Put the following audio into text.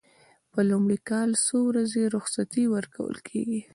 په لومړي کال څو ورځې رخصتي ورکول کیږي؟